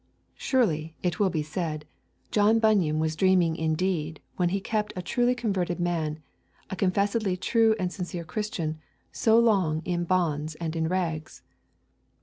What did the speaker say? Surely, it will be said, John Bunyan was dreaming indeed when he kept a truly converted man, a confessedly true and sincere Christian, so long in bonds and in rags.